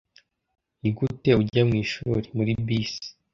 "Nigute ujya mwishuri?" "Muri bisi."